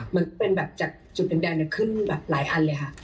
มันเป็นแบบจากจุดแดงขึ้นแบบหลายอันเลยค่ะ